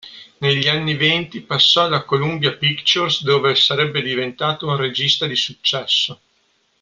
Negli anni venti, passò alla Columbia Pictures dove sarebbe diventato un regista di successo.